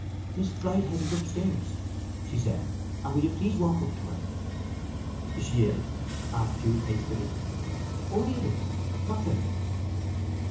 "Miss Bridehead is up stairs," she said. "And will you please walk up to her?" "Is she ill?" asked Jude hastily. "Only a little—not very."